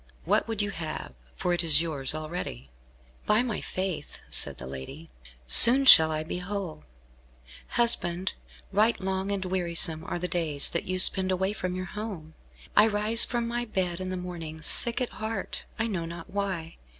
What would you have, for it is yours already?" "By my faith," said the lady, "soon shall I be whole. Husband, right long and wearisome are the days that you spend away from your home. I rise from my bed in the morning, sick at heart, I know not why.